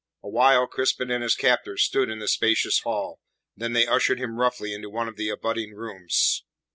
A while Crispin and his captors stood in the spacious hall; then they ushered him roughly into one of the abutting rooms.